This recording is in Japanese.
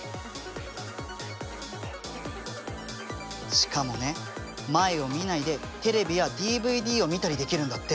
しかもね前を見ないでテレビやＤＶＤを見たりできるんだって。